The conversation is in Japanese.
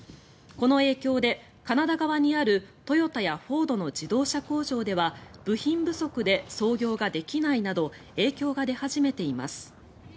この影響でカナダ側にあるトヨタやフォードの自動車工場では部品不足で操業ができないなど影響が出始めています。